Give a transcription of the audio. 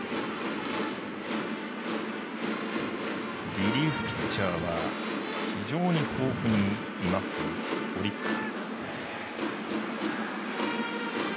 リリーフピッチャーは非常に豊富にいますオリックス。